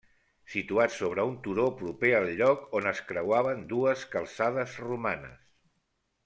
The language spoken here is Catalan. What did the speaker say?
Situat sobre un turó proper al lloc on es creuaven dues calçades romanes.